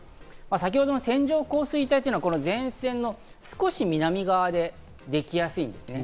先程の線状降水帯というのは前線の少し南側でできやすいんですね。